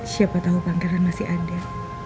siapa tahu pangeran masih ada